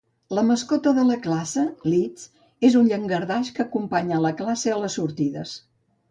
La mascota de la classe, Liz, és un llangardaix que acompanya la classe a les sortides.